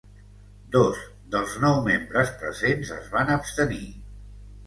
Dos dels nou membres presents es van abstenir.